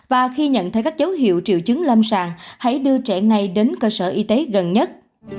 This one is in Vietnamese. và khi nhận thấy các dấu hiệu triệu chứng lâm sàng hãy đưa trẻ này đến cơ sở y tế gần nhất